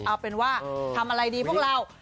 เอาเป็นว่าทำอะไรดีพวกเรา